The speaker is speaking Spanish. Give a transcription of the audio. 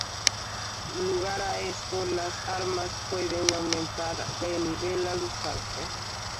Lugar a esto, las armas pueden aumentar de nivel al usarse.